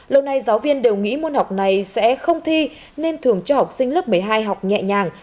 lâu nay giáo viên đều nghĩ môn học này sẽ không thi nên thường cho học sinh lớp một mươi hai học nhẹ nhàng